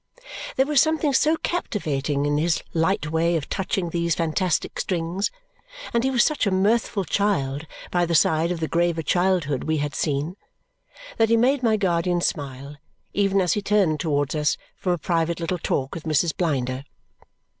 There was something so captivating in his light way of touching these fantastic strings, and he was such a mirthful child by the side of the graver childhood we had seen, that he made my guardian smile even as he turned towards us from a little private talk with Mrs. Blinder.